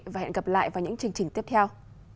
và hẹn gặp lại vào những chương trình tiếp theo